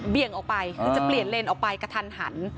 เบี่ยงเปลี่ยนเลนต์ออกไปกับทันหัน